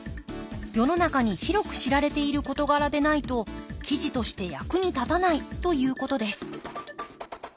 世の中に広く知られている事柄でないと記事として役に立たないということです。